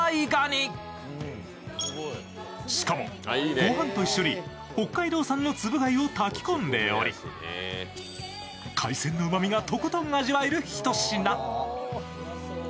御飯と一緒に北海道産のつぶ貝を炊き込んでおり海鮮のうまみがとことん味わえる、ひと品。